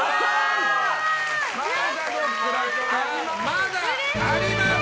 まだあります！